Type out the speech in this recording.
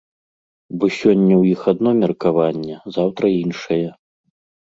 Бо сёння ў іх адно меркаванне, заўтра іншае.